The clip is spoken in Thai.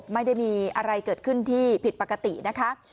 ไม่ได้มีอะไรเกิดขึ้นที่ผิดปกตินะคะ